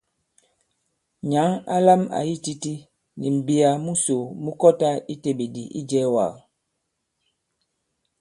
Nyǎŋ a lām àyi titī, nì m̀mbìyà musò mu kɔtā i teɓèdì̀ i ijɛ̄ɛ̄wàgà.